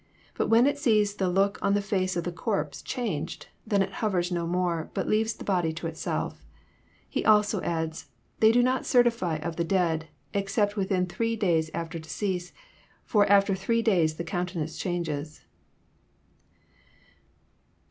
But when it sees the look of the face of the corpse changed, then it hovers no more, but leaves the body to itself." He also adds, " They do not certify of the dead, except within three days after decease ; for after three days the countenance changes."